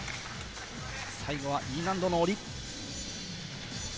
最後はＥ難度の下り。